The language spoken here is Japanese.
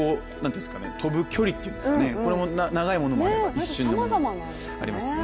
飛ぶ距離というんですか長いものもあれば一瞬のものもありますね。